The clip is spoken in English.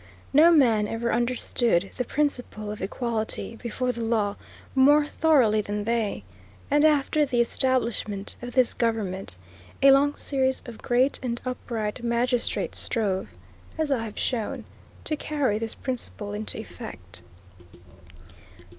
No men ever understood the principle of equality before the law more thoroughly than they, and after the establishment of this government a long series of great and upright magistrates strove, as I have shown, to carry this principle into effect.